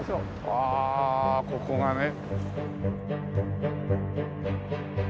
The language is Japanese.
あここがね。